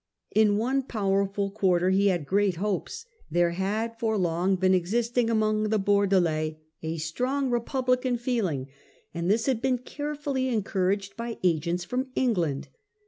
In one powerful quarter he had great hopes. There had for long been existing among the Bordelais a strong Republican feeling, and this had been carefully en Condd couraged by agents from England.